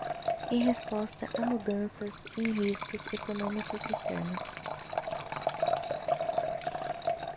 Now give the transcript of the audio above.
Em resposta a mudanças e riscos econômicos externos